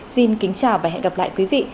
xin kính chào và hẹn gặp lại quý vị